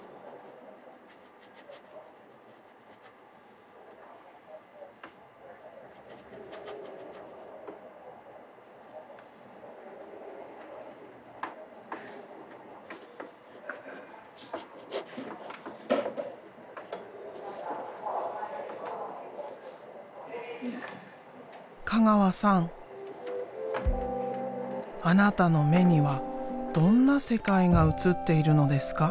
あなたの目にはどんな世界が映っているのですか？